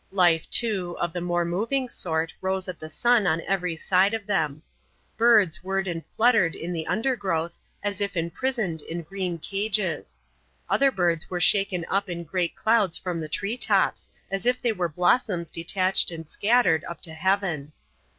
Life, too, of the more moving sort rose at the sun on every side of them. Birds whirred and fluttered in the undergrowth, as if imprisoned in green cages. Other birds were shaken up in great clouds from the tree tops, as if they were blossoms detached and scattered up to heaven.